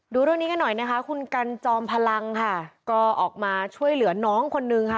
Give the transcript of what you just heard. ดูเรื่องนี้กันหน่อยนะคะคุณกันจอมพลังค่ะก็ออกมาช่วยเหลือน้องคนนึงค่ะ